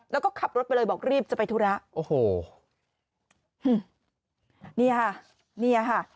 แล้วก็ขับรถไปเลยบอกรีบจะไปธุระโอ้โหนี่ค่ะเนี่ยค่ะ